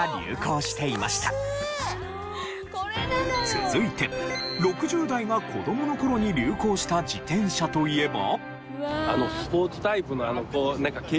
続いて６０代が子供の頃に流行した自転車といえば。